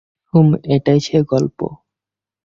হুম এটাই সেই গল্প!